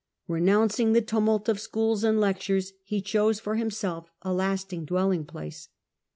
" Kenouncing the tumult of schools and lectures, he chose for himself a lasting dwelling place."